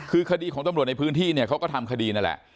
คือคดีของตำรวจในพื้นที่เนี่ยเขาก็ทำคดีนั่นแหละ